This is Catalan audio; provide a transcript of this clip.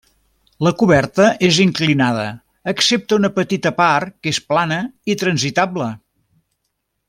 La coberta és inclinada excepte una petita part que és plana i transitable.